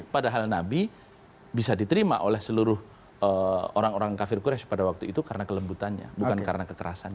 padahal nabi bisa diterima oleh seluruh orang orang kafir qurage pada waktu itu karena kelembutannya bukan karena kekerasan